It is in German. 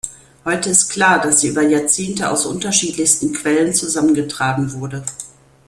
Heute ist klar, dass sie über Jahrzehnte aus unterschiedlichsten Quellen zusammengetragen wurde.